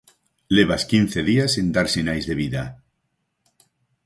Levas quince días sen dar sinais de vida.